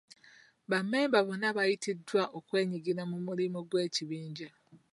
Ba memba bonna bayitiddwa okwenyigira mu mirimu gy'ekibinja.